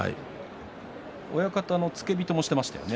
親方の付け人もしていましたよね。